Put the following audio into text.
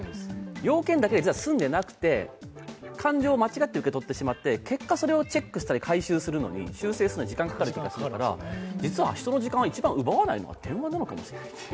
要件だけで済んでなくて感情を間違って受け取ってしまって、結果、それをチェックしたり回収するのに時間が必要だから実は人の時間を一番奪わないのが電話かもしれませんね。